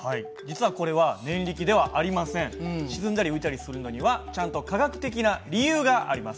沈んだり浮いたりするのにはちゃんと科学的な理由があります。